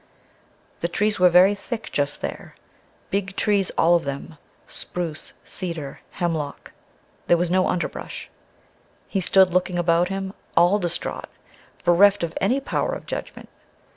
The trees were very thick just there, big trees all of them, spruce, cedar, hemlock; there was no underbrush. He stood, looking about him, all distraught; bereft of any power of judgment.